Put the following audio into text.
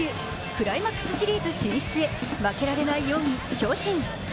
クライマックスシリーズ進出へ負けられない４位・巨人。